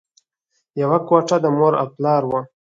یوه کوټه د مور او پلار وه